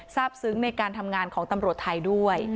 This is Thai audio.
ซึ้งในการทำงานของตำรวจไทยด้วย